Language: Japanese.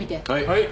はい。